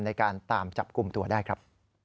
ในการตามจับกลุ่มตัวได้ครับ